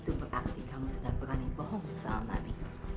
itu berarti kamu sudah berani bohong soal mami